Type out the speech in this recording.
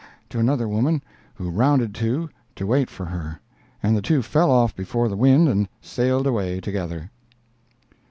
to another woman, who rounded to to wait for her, and the two fell off before the wind and sailed away together.